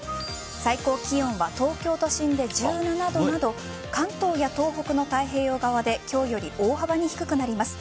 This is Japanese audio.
最高気温は東京都心で１７度など関東や東北の太平洋側で今日より大幅に低くなります。